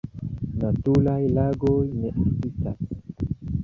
Naturaj lagoj ne ekzistas.